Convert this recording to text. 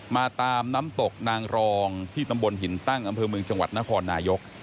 มาตามน้ำตกนางรองที่ตำบลหินตั้งอำเภอเมืองจังหวัดนครนายก